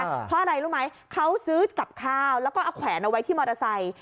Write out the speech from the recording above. เพราะอะไรรู้ไหมเขาซื้อกับข้าวแล้วก็เอาแขวนเอาไว้ที่มอเตอร์ไซค์